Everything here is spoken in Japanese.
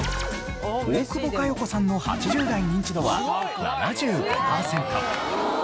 大久保佳代子さんの８０代ニンチドは７５パーセント。